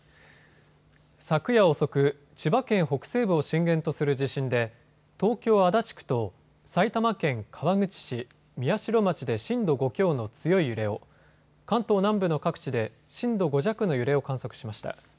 昨夜遅く、千葉県北西部を震源とする地震で東京足立区と埼玉県川口市、宮代町で震度５強の強い揺れを、関東南部の各地で震度５弱の揺れを観測しました。